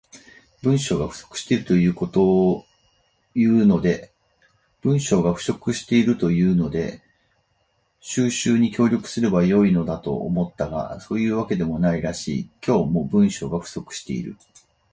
文章が不足しているというので収集に協力すれば良いのだと思ったが、そういうわけでもないらしい。今日も、文章が不足している。